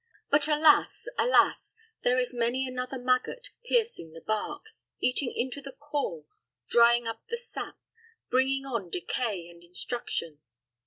But alas, alas! there is many another maggot, piercing the bark, eating into the core, drying up the sap, bringing on decay and instruction.